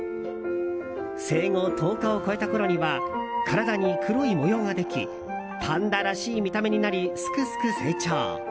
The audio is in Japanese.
生後１０日を超えたころには体に黒い模様ができパンダらしい見た目になりすくすく成長。